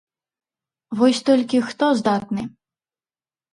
Вось толькі хто здатны?